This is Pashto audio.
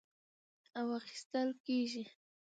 او اخىستل کېږي،